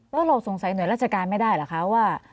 แล้วเราสงสัยหน่วยราชการไม่ได้เหรอคะว่า